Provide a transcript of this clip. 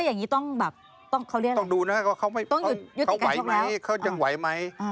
อย่างนี้ต้องแบบต้องเขาเรียกต้องดูนะว่าเขาไหวไหมเขายังไหวไหม